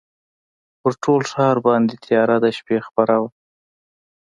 پر ټول ښار باندي تیاره د شپې خپره وه